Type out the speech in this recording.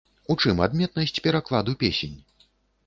У чым адметнасць перакладу песень?